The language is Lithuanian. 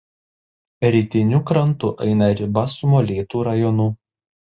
Rytiniu krantu eina riba su Molėtų rajonu.